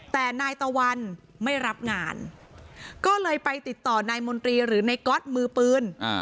แต่นายตะวันไม่รับงานก็เลยไปติดต่อนายมนตรีหรือนายก๊อตมือปืน